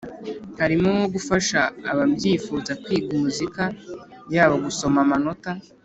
harimo nko gufasha ababyifuza kwiga muzika yaba gusoma amanota